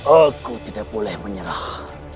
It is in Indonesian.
aku tidak boleh menyerah